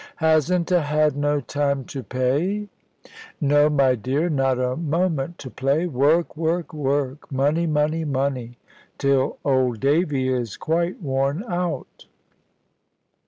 "Hasn't 'a had no time to pay?" "No, my dear, not a moment to play. Work, work, work! Money, money, money! Till old Davy is quite worn out."